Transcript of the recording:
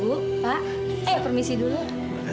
totalnya bukan masalah yang sama